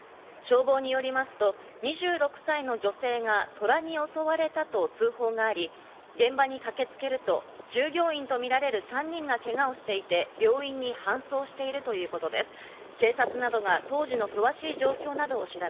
消防によりますと２６歳の女性がトラに襲われたと通報があり、現場に駆けつけると、従業員とみられる３人がけがをしていて病院に搬送されているということです。